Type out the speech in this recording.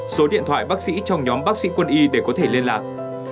số điện thoại bác sĩ trong nhóm bác sĩ quân y để có thể liên lạc